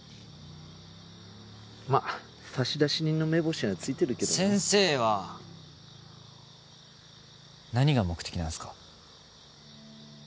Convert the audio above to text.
まっ差出人の目星はついてるけどな先生は何が目的なんすか？